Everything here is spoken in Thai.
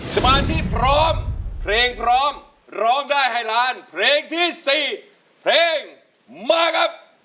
สมาธิพร้อมเพลงพร้อมร้องได้ให้ล้านเพลงที่๔เพลงมาครับ